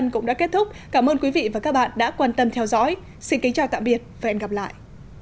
cảm ơn các bạn đã theo dõi và hẹn gặp lại